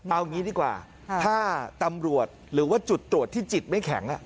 เอางี้ดีกว่าถ้าตำรวจหรือว่าจุดตรวจที่จิตไม่แข็ง